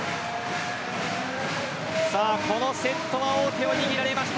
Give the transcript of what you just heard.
このセットは王手を握られました。